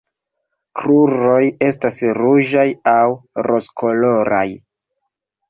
Kruroj estas ruĝaj aŭ rozkoloraj.